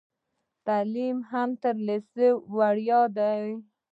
تعلیم هم تر لیسې وړیا دی.